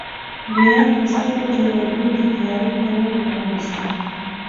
مریان په سترو کروندو کې کارونو ته وګومارل شول.